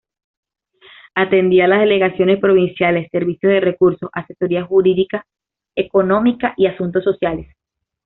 Atendía a las Delegaciones Provinciales, Servicio de Recursos, Asesoría Jurídica, Económica y Asuntos Sociales.